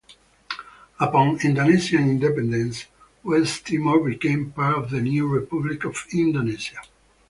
Upon Indonesian independence, West Timor became part of the new Republic of Indonesia.